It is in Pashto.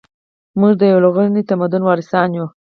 موږ د یو لرغوني تمدن وارثان یو